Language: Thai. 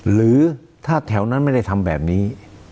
หรือถ้าแถวนั้นไม่ได้ทำแบบนี้